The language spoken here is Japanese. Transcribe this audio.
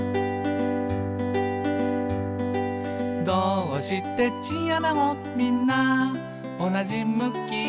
「どーうしてチンアナゴみんなおなじ向き？」